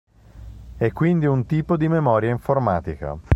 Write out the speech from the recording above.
È quindi un tipo di memoria informatica.